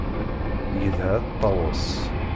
Gedha a Ṭawes!